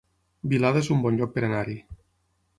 Vilada es un bon lloc per anar-hi